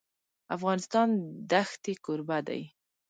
افغانستان د ښتې کوربه دی.